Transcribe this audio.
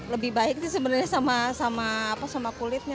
lebih baik sih sebenarnya sama kulitnya